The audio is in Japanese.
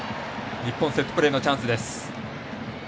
日本セットプレーのチャンスです。